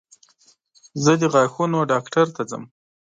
زه د غاښونو ډاکټر ته ځم.